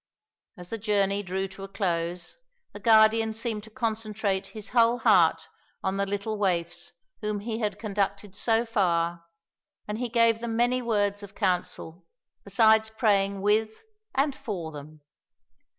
As the journey drew to a close, the Guardian seemed to concentrate his whole heart on the little waifs whom he had conducted so far, and he gave them many words of counsel, besides praying with and for them.